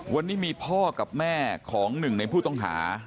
วันนี้มีพ่อกับแม่ของหนึ่งในผู้ต้องหา